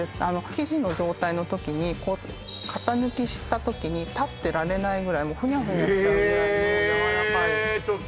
生地の状態の時に型抜きした時に立ってられないぐらいフニャフニャしちゃうぐらいのやわらかいえーっ